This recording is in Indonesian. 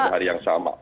pada hari yang sama